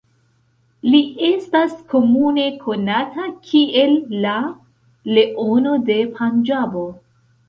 Li estas komune konata kiel la "Leono de Panĝabo".